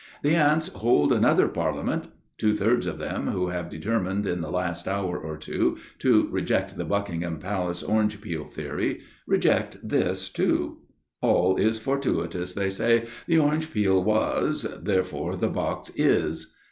The ants hold another parliament. Two thirds of them who have deter mined in the last hour or two to reject the Buck ingham Palace orange peel theory, reject this too. All is fortuitous, they say. The orange peel was ; therefore the box is